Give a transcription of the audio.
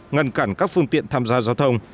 ngăn cản các phương tiện tham gia giao thông